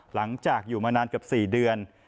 หลังจากอยู่มานานเกือบ๔เดือน